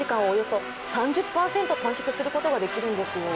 およそ３０％短縮することができるんです。